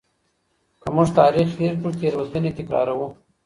که موږ تاریخ هیر کړو تېروتني تکراروو.